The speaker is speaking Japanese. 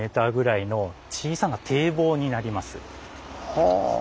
はあ。